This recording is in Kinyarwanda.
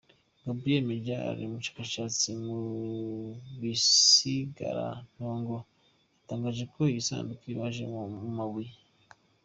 Gabriel Mazor, umushakashatsi mu bisigaratongo, yatangaje ko iyi sanduku ibaje mu ibuye.